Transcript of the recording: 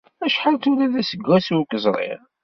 Acḥal tura d aseggas ur k-ẓriɣ?